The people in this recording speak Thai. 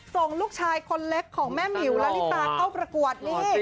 ส่งลูกชายคนเล็กของแม่หมิวละลิตาเข้าประกวดนี่